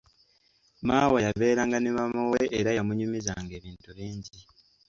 Maawa yabeeranga ne maama we era yamunyumizanga ebintu bingi.